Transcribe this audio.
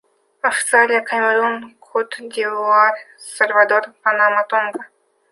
Австралия, Камерун, Кот-д'Ивуар, Сальвадор, Панама, Тонга.